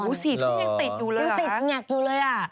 ๔ทุ่มยังติดอยู่เลยยังติดแงกอยู่เลยอ่ะ